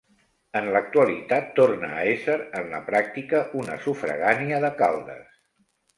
En l'actualitat, torna a ésser en la pràctica una sufragània de Caldes.